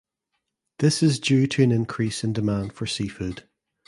This is due to an increase in demand for seafood.